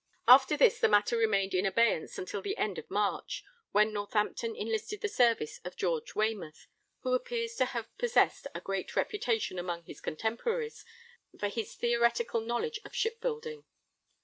] After this the matter remained in abeyance until the end of March, when Northampton enlisted the services of George Waymouth, who appears to have possessed a great reputation among his contemporaries for his theoretical knowledge of shipbuilding.